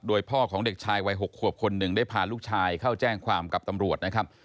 โดยพ่อของเด็กชายวัย๖ขวบคนหนึ่งได้พาลูกชายเข้าแจ้งความกับตำรวจนะครับ